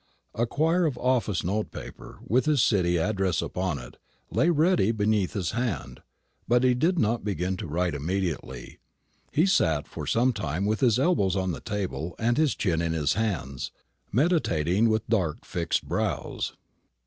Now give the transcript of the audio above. A quire of office note paper, with his City address upon it, lay ready beneath his hand; but he did not begin to write immediately. He sat for some time with his elbows on the table, and his chin in his hands, meditating with dark fixed brows.